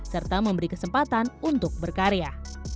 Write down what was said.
serta memberi kesempatan untuk berkarya